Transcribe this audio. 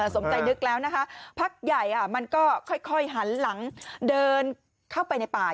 สมใจนึกแล้วนะคะพักใหญ่มันก็ค่อยหันหลังเดินเข้าไปในป่า